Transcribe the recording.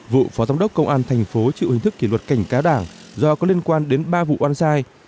vụ phó giám đốc công an thành phố chịu hình thức kỷ luật cảnh cáo đảng do có liên quan đến ba vụ oan sai